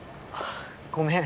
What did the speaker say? ごめん。